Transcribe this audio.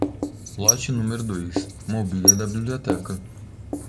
Lote número dois: mobília da biblioteca.